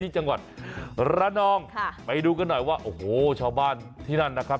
จังหวัดระนองค่ะไปดูกันหน่อยว่าโอ้โหชาวบ้านที่นั่นนะครับ